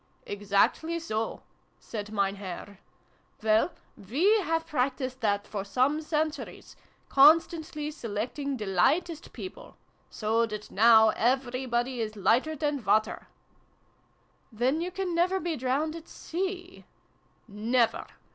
" Exactly so," said Mein Herr. " Well, we have practised that for some centuries con stantly selecting the lightest people : so that, now, everybody is lighter than water." " Then you never can be drowned at sea ?"" Never